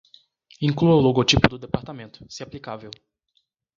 Inclua o logotipo do departamento, se aplicável.